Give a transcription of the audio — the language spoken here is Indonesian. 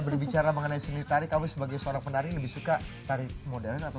berbicara mengenai seni tari kami sebagai seorang penari lebih suka tari modern atau